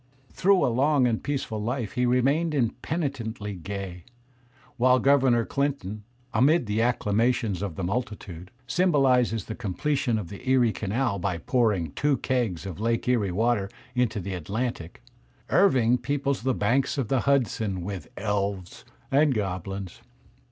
Through a long and peaceful life he remains im penitently gay. While Governor Clinton, "amid the accla mations of the multitude," symbolizes the completion of the Erie Canal by pouring two kegs of Lake Erie water into the Atlantic, Irving peoples the banks of the Hudson with elves and goblins.